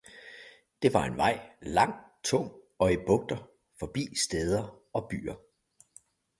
det var en Vei, lang, tung og i Bugter, forbi Stæder og Byer.